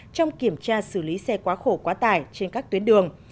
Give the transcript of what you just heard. trong kiểm tra xử lý xe quá khổ quá tải trên các tuyến đường